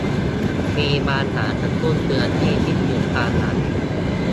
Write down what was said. มีบางอย่างกระตุ้นเตือนให้คิดถึงความหลัง